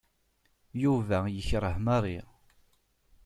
Yuba yekṛeh Mary.